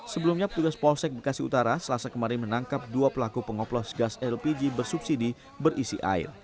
sebelumnya petugas polsek bekasi utara selasa kemarin menangkap dua pelaku pengoplos gas lpg bersubsidi berisi air